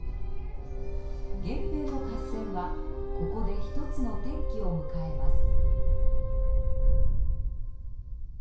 源平の合戦はここで一つの転機を迎えます。